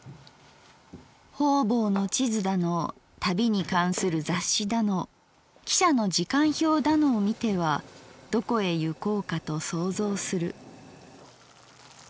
方々の地図だの旅に関する雑誌だの汽車の時間表だのをみてはどこへゆこうかと想像する」。